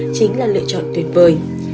chính là lựa chọn tuyệt vời